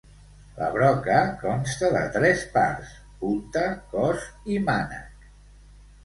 La broca consta de tres parts: punta, cos i mànec.